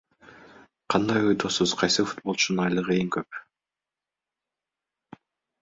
Кандай ойдосуз, кайсы футболчунун айлыгы эң көп?